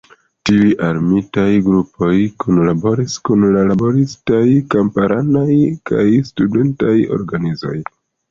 Tiuj armitaj grupoj kunlaboris kun la laboristaj, kamparanaj kaj studentaj organizoj.